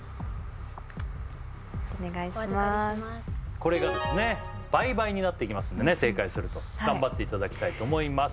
これが倍々になっていきますんで正解すると頑張っていただきたいと思います